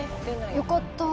よかった。